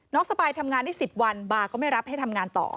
สปายทำงานได้๑๐วันบาร์ก็ไม่รับให้ทำงานต่อ